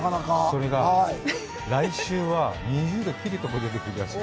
それが来週は２０度を切るところが出てくるらしい。